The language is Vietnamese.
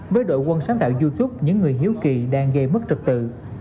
với đội quân sáng tạo youtube những người hiếu kỳ đang gây mất trật tự